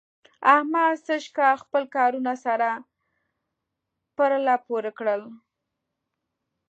احمد سږکال خپل کارونه سره پرله پورې کړل.